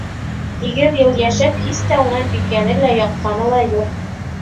Һигеҙ йыл йәшәп, һис тә унан биҙгәне лә, ялҡҡаны ла юҡ.